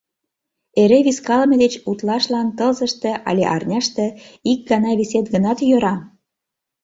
Эре вискалыме деч утлашлан тылзыште але арняште, ик гана висет гынат, йӧра.